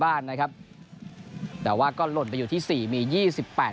บ้านนะครับแต่ว่าก็หล่นไปอยู่ที่สี่มียี่สิบแปด